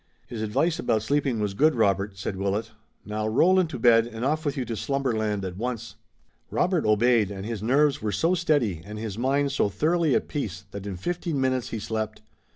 "His advice about sleeping was good, Robert," said Willet. "Now roll into bed and off with you to slumberland at once." Robert obeyed and his nerves were so steady and his mind so thoroughly at peace that in fifteen minutes he slept.